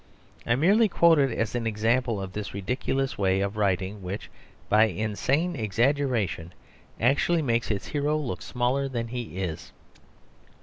I merely quote it as an example of this ridiculous way of writing, which, by insane exaggeration, actually makes its hero look smaller than he is.